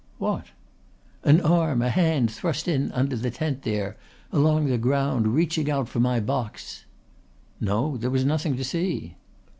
"What?" "An arm, a hand thrust in under the tent there, along the ground reaching out for my box." "No. There was nothing to see."